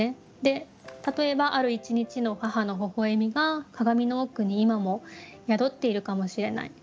例えばある１日の母の微笑みが鏡の奥に今も宿っているかもしれない。